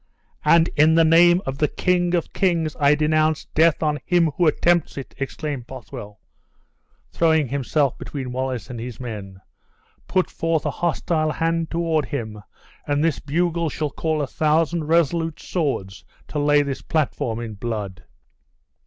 "And in the name of the King of kings I denounce death on him who attempts it!" exclaimed Bothwell, throwing himself between Wallace and the men; "put forth a hostile hand toward him, and this bugle shall call a thousand resolute swords to lay this platform in blood!"